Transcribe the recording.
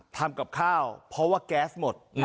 ทำกับข้าวเพราะว่าแก๊สหมด